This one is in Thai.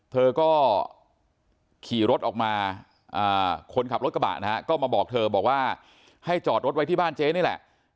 เธอก็ขี่รถออกมาคนขับรถกระบะนะฮะก็มาบอกเธอบอกว่าให้จอดรถไว้ที่บ้านเจ๊นี่แหละ